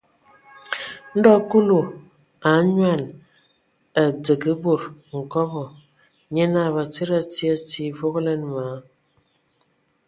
Ndɔ Kulu a anyoan, a dzǝgə bod nkobɔ, nye naa Batsidi a tii a tii, vogolanə ma a a.